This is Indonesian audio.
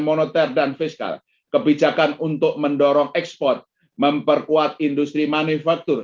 moneter dan fiskal kebijakan untuk mendorong ekspor memperkuat industri manufaktur